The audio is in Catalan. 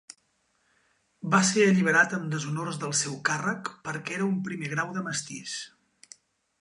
Va ser alliberat amb deshonors del seu càrrec perquè era un primer grau de mestís.